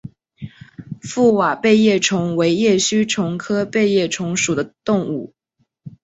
覆瓦背叶虫为叶须虫科背叶虫属的动物。